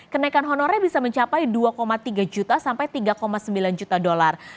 kenaikan honorer bisa mencapai dua tiga juta sampai tiga sembilan juta dolar